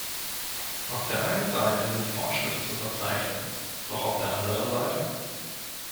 Auf der einen Seite sind Fortschritte zu verzeichnen, doch auf der anderen Seite?